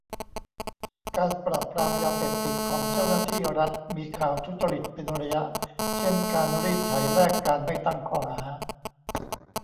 การปราบปรามยาเสพติดของเจ้าหน้าที่รัฐมีข่าวทุจริตเป็นระยะ เช่น การรีดไถแลกการไม่ตั้งข้อหา